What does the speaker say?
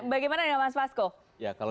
bagaimana dengan mas fasko